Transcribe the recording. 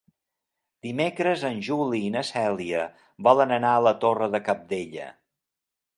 Dimecres en Juli i na Cèlia volen anar a la Torre de Cabdella.